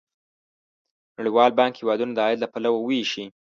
نړیوال بانک هیوادونه د عاید له پلوه ویشي.